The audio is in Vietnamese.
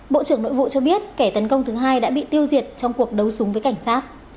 bộ trưởng nội vụ cho biết kẻ tấn công thứ hai đã bị tiêu diệt trong cuộc đấu súng với cảnh sát